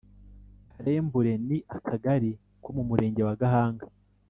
Karembure ni akagari ko mu murenge wa Gahanga